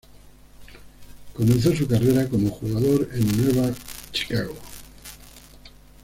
Comenzó su carrera como jugador en Nueva Chicago.